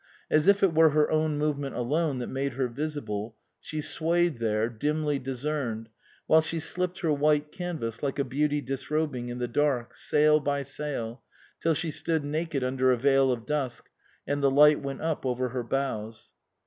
As if it were her own movement alone that made her visible, she swayed there, dimly dis cerned, while she slipped her white canvas like a beauty disrobing in the dark, sail by sail, till she stood naked under a veil of dusk, and the light went up above her bows.